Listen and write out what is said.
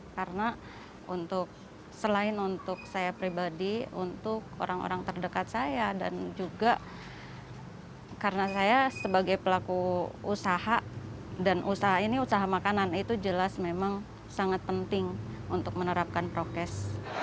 karena selain untuk saya pribadi untuk orang orang terdekat saya dan juga karena saya sebagai pelaku usaha dan usaha ini usaha makanan itu jelas memang sangat penting untuk menerapkan prokes